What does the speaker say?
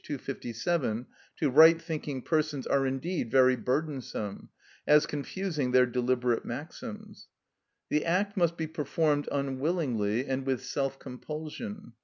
257) to right thinking persons are indeed very burdensome, as confusing their deliberate maxims. The act must be performed unwillingly and with self compulsion.